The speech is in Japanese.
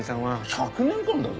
１００年間だぞ？